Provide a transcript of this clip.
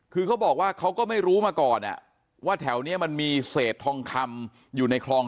คือเขาบอกว่าเขาก็ไม่รู้มาก่อนว่าแถวนี้มันมีเศษทองคำอยู่ในคลอง